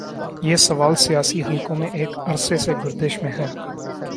یہ سوال سیاسی حلقوں میں ایک عرصے سے گردش میں ہے۔